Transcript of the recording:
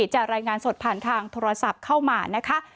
รายงานสดผ่านทางโทรศัพท์เข้ามานะคะ